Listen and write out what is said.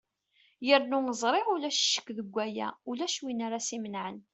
yernu ẓriɣ ulac ccek deg waya ulac win ara s-imenɛen